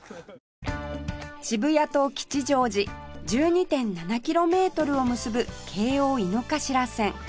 渋谷と吉祥寺 １２．７ キロメートルを結ぶ京王井の頭線